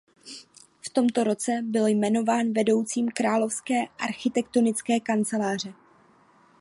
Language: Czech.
V tomto roce byl jmenován vedoucím královské architektonické kanceláře.